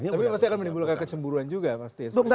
tapi pasti akan menimbulkan kecemburuan juga pasti ya